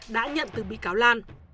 đã nhận từ bị cáo lan